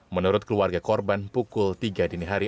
menurut keluarga korban pukul tiga dini hari